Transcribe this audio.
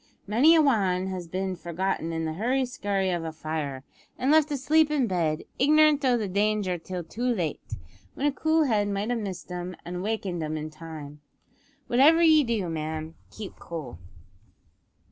Many a wan has bin forgotten in the hurry skurry of a fire, and left asleep in bed, ignorant o' the danger till too late; when a cool head might have missed 'em, and wakened 'em in time. Whatever ye do, ma'am keep cool."